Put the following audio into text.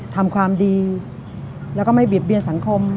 ทำความดีแล้วก็ไม่บิดเบียนสังคม